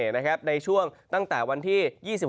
ในช่วงตั้งแต่วันที่๒๖